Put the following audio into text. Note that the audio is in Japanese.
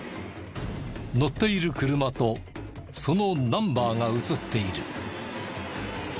乗っている車とそのナンバーが映っている。